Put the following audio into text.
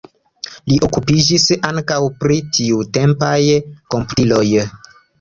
Li okupiĝis ankaŭ pri tiutempaj komputiloj.